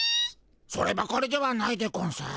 そればかりではないでゴンス。